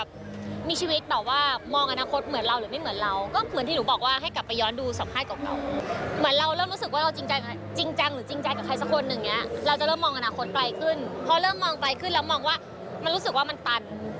พอเริ่มมองไกลขึ้นแล้วมองว่ามันรู้สึกว่ามันตัน